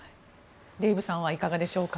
デーブさんはいかがでしょうか。